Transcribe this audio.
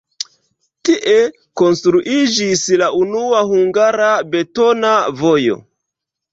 Tie konstruiĝis la unua hungara betona vojo.